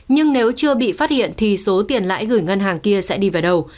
nhưng nếu chưa bị phát hiện thì số tiền lãi gửi ngân hàng kia sẽ đi vào đầu